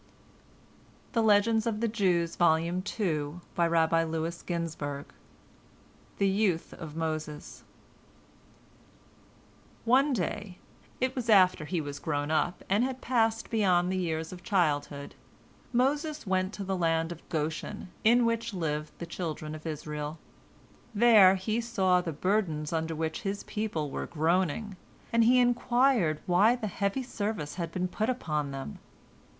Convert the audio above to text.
" THE YOUTH OF MOSES One day—it was after he was grown up, and had passed beyond the years of childhood—Moses went to the land of Goshen, in which lived the children of Israel. There he saw the burdens under which his people were groaning, and he inquired why the heavy service had been put upon them.